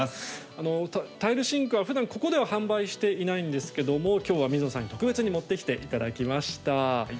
タイルシンクは、ふだんここでは販売していないんですけどもきょうは水野さんに特別に持ってきていただきました。